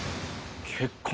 結構。